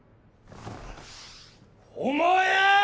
お前！